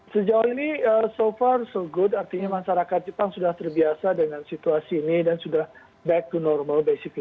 sejauh ini so far so good artinya masyarakat jepang sudah terbiasa dengan situasi ini dan sudah back to normal basicall